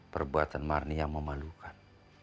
perbuatan marni yang memalukan